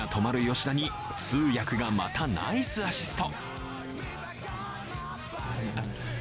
吉田に通訳が、またナイスアシスト。